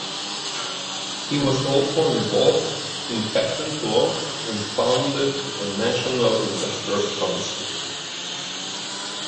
He was also involved in patent law and founded the National Inventors Council.